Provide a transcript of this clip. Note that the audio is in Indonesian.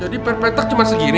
jadi perpetak cuman segini